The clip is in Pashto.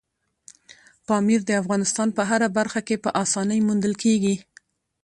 پامیر د افغانستان په هره برخه کې په اسانۍ موندل کېږي.